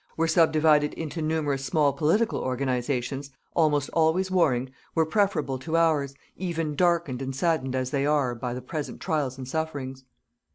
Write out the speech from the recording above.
were subdivided into numerous small political organizations, almost always warring, were preferable to ours, even darkened and saddened as they are by the present trials and sufferings.